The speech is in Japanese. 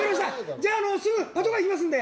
じゃあすぐパトカー行きますので。